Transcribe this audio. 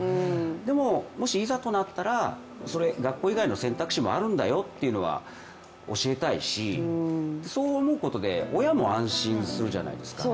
でも、もしいざとなったら学校以外の選択肢もあるんだよというのは教えたいし、そう思うことで親も安心するじゃないですか。